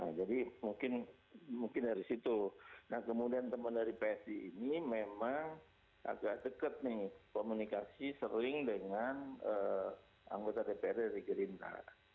nah jadi mungkin dari situ nah kemudian teman dari psi ini memang agak dekat nih komunikasi sering dengan anggota dprd dari gerindra